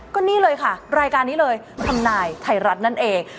ก็นี่เลยค่ะรายการนี้เลยทำนายไทยรัฐนั่นเอง